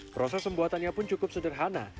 proses pembuatannya pun cukup sederhana